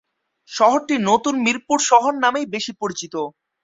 শহরটি নতুন মিরপুর শহর নামেই বেশি পরিচিত।